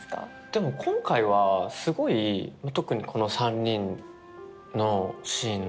でも今回はすごい特にこの３人のシーン